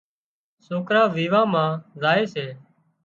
سوڪران ويوان مان زائي سي